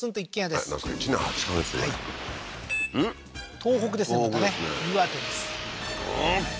東北ですねまたね